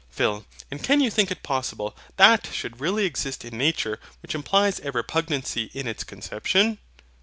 PHIL. And can you think it possible that should really exist in nature which implies a repugnancy in its conception?